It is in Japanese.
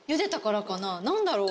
何だろう？